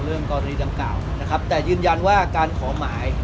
เรื่องกรณีเต็มกร่าวแต่ยืนยันว่าการขอหมาย